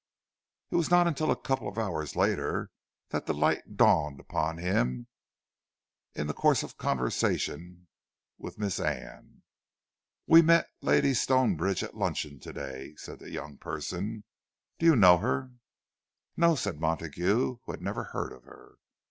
It was not until a couple of hours later that the light dawned upon him, in the course of a conversation with Miss Anne. "We met Lady Stonebridge at luncheon to day," said that young person. "Do you know her?" "No," said Montague, who had never heard of her.